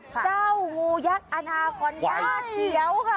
เจ้างูยักษ์อนาคอนยาเขียวค่ะ